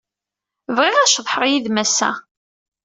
Bɣiɣ ad ceḍḥeɣ yid-m ass-a.